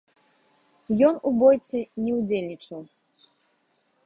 Ён у бойцы не удзельнічаў.